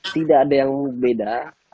tidak ada yang beda